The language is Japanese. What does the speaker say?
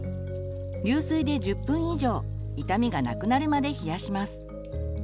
流水で１０分以上痛みが無くなるまで冷やします。